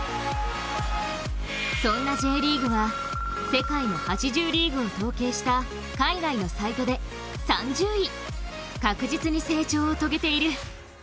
そんなＪリーグは世界の８０リーグを統計した海外のサイトで３０位、確実に成長を遂げている。